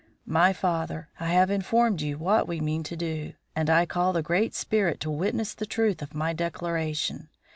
"My father, I have informed you what we mean to do, and I call the Great Spirit to witness the truth of my declaration.